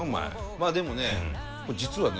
まあでもね実はね